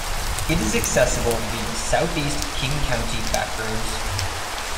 It is accessible via Southeast King County backroads.